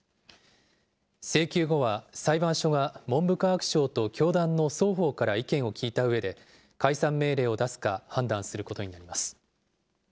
請求後は、裁判所が文部科学省と教団の双方から意見を聞いたうえで、解散命令を出すか判断することになります。